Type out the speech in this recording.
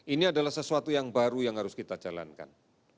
ini adalah sesuatu yang baru yang harus kita jalankan